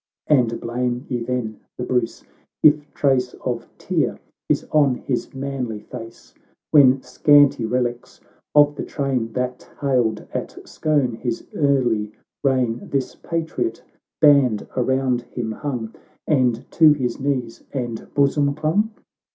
And blame ye then, the Bruce, if trace Of tear is on his manly face, When, scanty relics of the train That hailed at Scone his early reign, This patriot band around him hung, And to his knees and bosom clung